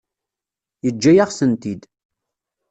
Yeǧǧa-yaɣ-tent-id.